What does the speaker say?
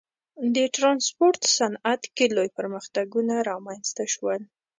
د ټرانسپورت صنعت کې لوی پرمختګونه رامنځته شول.